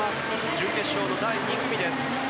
準決勝の第２組です。